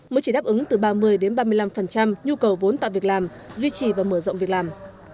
mới chỉ đáp ứng từ ba mươi đến ba mươi năm nhu cầu vốn tạo việc làm duy trì và mở rộng việc làm